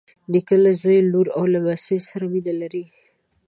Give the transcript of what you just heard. نیکه له زوی، لور او لمسیو سره مینه لري.